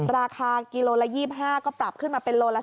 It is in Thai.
ราคากิโลละ๒๕ก็ปรับขึ้นมาเป็นโลละ๓